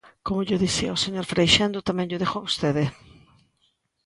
Como llo dicía ao señor Freixendo, tamén llo digo a vostede.